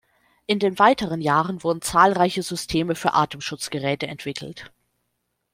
In den weiteren Jahren wurden zahlreiche Systeme für Atemschutzgeräte entwickelt.